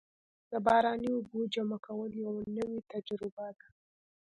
د باراني اوبو جمع کول یوه نوې تجربه ده.